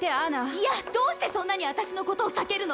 いやどうしてそんなに私のことを避けるの？